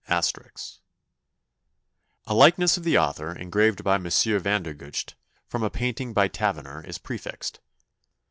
*] "A likeness of the author, engraved by M. Vandergucht, from a painting by Taverner, is prefixed."